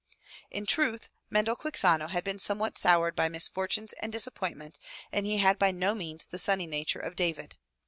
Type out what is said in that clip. *' In truth Mendel Quixano had been somewhat soured by misfortunes and disappointments, and he had by no means the sunny nature of David.